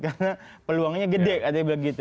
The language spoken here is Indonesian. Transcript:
karena peluangnya gede ada yang bilang gitu